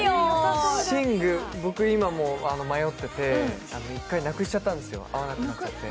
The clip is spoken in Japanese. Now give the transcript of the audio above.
寝具、僕も今、迷ってて１回なくしちゃったんですよ。